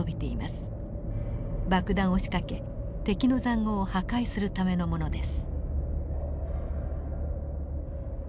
爆弾を仕掛け敵の塹壕を破壊するためのものです。